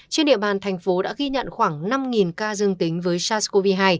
trên địa bàn thành phố đã ghi nhận khoảng năm ca dương tính với sars cov hai